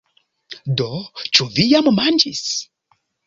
Do, ĉu vi jam manĝis?